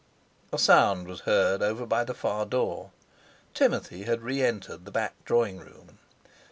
A sound was heard over by the far door. Timothy had re entered the back drawing room.